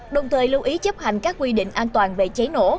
đồng thời lưu ý chấp hành các quy định an toàn về cháy nổ